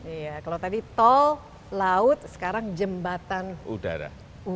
iya kalau tadi tol laut sekarang jembatan udara